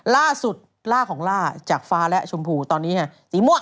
ล่าสุดล่าของล่าจากฟ้าและชมพูตอนนี้ไงสีม่วง